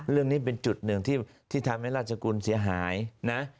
เรื่องนี้เป็นจุดหนึ่งที่ทำให้ราชกุลเสียหายนะ